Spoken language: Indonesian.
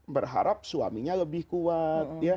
berharap suaminya lebih kuat